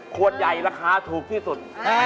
ขวดใหญ่ราคาถูกที่สุด